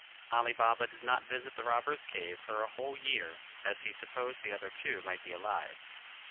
Ali Baba did not visit the robbers' cave for a whole year, as he supposed the other two might be alive.